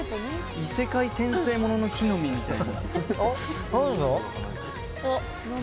異世界転生ものの木の実みたいな。